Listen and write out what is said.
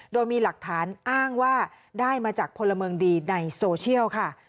โดยมีหลักฐานอ้างว่าได้มาจากพลเมืองดีในโซเชียลค่ะ